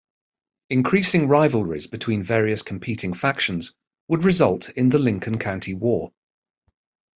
Increasing rivalries between various competing factions would result in the Lincoln County War.